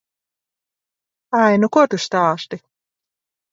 Ai, nu, ko tu stāsti.